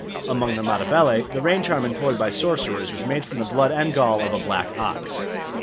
Among the Matabele the rain charm employed by sorcerers was made from the blood and gall of a black ox.